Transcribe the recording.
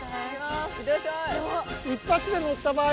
一発で乗った場合